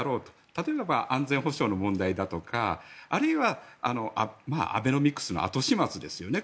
例えば、安全保障の問題だとかあるいはアベノミクスの後始末ですよね。